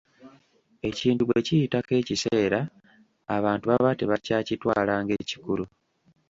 Ekintu bwe kiyitako ekiseera abantu baba tebakyakitwala ng’ekikulu.